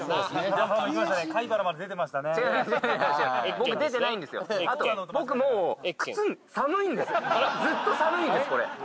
僕あと僕もうずっと寒いんですこれ。